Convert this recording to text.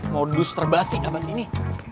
modus terbasik abang ini